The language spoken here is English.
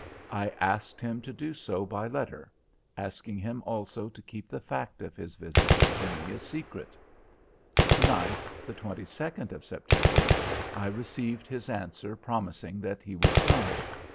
I asked him to do so by letter, asking him also to keep the fact of his visit to me a secret. To night, the 22nd of September, I received his answer promising that he would come.